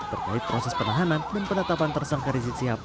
terkait proses penahanan dan penetapan tersangka rizik sihab